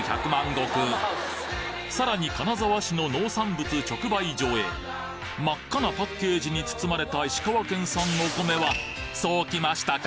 さらに金沢市の農産物直売所へ真っ赤なパッケージに包まれた石川県産のお米はそうきましたか